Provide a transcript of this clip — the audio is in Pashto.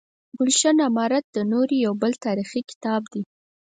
ګلشن امارت د نوري یو بل تاریخي کتاب دی.